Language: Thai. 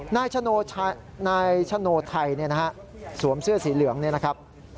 นายชโนไทยสวมเสื้อสีเหลืองเนี่ยนะครับ